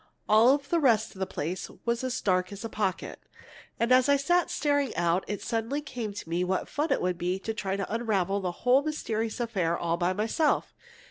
All the rest of the place was as dark as a pocket. And as I sat staring out, it suddenly came to me what fun it would be to try to unravel the whole mysterious affair all by myself.